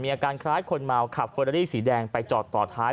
อาการคล้ายคนเมาขับเฟอรารี่สีแดงไปจอดต่อท้าย